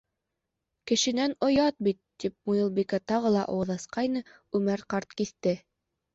— Кешенән оят бит, — тип Муйылбикә тағы ла ауыҙ асҡайны, Үмәр ҡарт киҫте: